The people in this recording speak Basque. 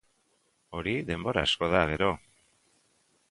Hori denbora asko da, gero!